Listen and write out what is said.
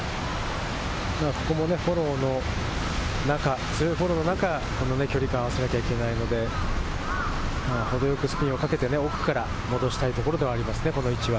ここもフォローの中、強いフォローの中、距離感を合わせなきゃいけないので、程よくスピンをかけて、奥から戻したいところではありますね、この位置は。